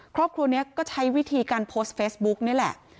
ครอบครัวนี้ก็ใช้วิธีการโพสต์เฟซบุ๊กนี่แหละ